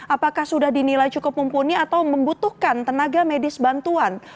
apakah sudah dinilai cukup mumpuni atau membutuhkan tenaga medis bantuan